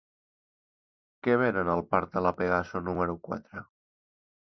Què venen al parc de La Pegaso número quatre?